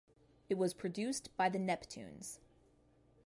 It was produced by The Neptunes.